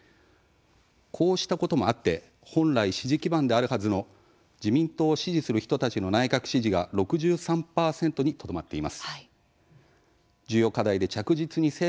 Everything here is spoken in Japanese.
こうしたこともあって本来、支持基盤であるはずの自民党を支持する人たちの内閣支持が６３％にとどまっています。